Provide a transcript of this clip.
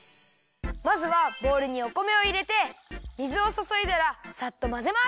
まずはボウルにお米をいれて水をそそいだらさっとまぜます。